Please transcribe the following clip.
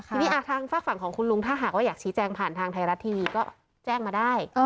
ทีนี้ทางฝากฝั่งของคุณลุงถ้าหากว่าอยากชี้แจงผ่านทางไทยรัฐทีวีก็แจ้งมาได้